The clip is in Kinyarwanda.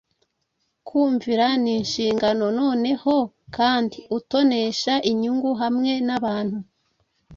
Kumvira ni inshingano noneho, Kandi utonesha inyungu hamwe n'abantu.